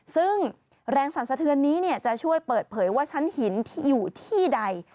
ซึ่งแรงสั่นสะเทือนนี้จะช่วยเปิดเผยว่าชั้นหินที่อยู่ที่ใด